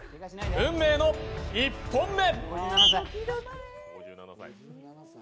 運命の１本目！